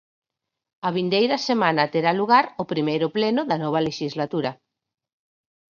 A vindeira semana terá lugar o primeiro pleno da nova lexislatura.